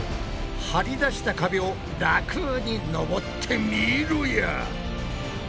張り出した壁を楽に登ってみろや！